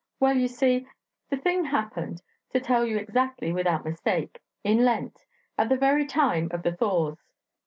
"Well, you see, the thing happened, to tell you exactly without mistake, in Lent, at the very time of the thaws.